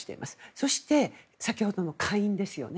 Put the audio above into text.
そして、先ほどの下院ですよね。